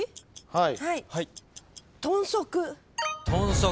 はい。